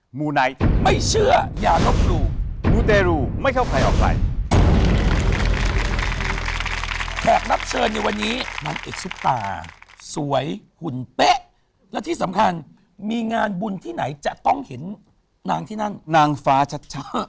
หมายถึงเมภื้องอารมณ์เหรอ